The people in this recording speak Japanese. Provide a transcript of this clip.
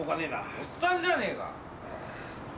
おっさんじゃねえか！